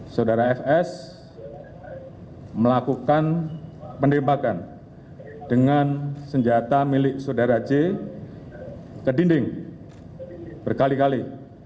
saudara fs melakukan penembakan dengan senjata milik saudara j ke dinding berkali kali